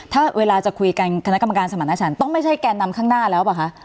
ถ้าเวลาจะคุยกันคณะกรรมการสมรรถฉันต้องไม่ใช่แกนนำข้างหน้าแล้วป่ะคะ